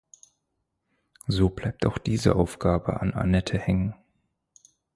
So bleibt auch diese Aufgabe an Annette hängen.